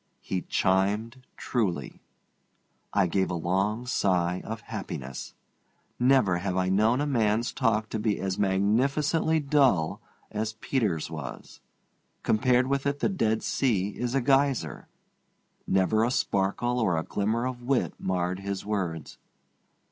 He chimed truly. I gave a long sigh of happiness. Never have I known a man's talk to be as magnificently dull as Peter's was. Compared with it the Dead Sea is a geyser. Never a sparkle or a glimmer of wit marred his words.